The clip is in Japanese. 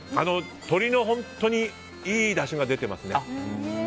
鶏の本当にいいだしが出てますね。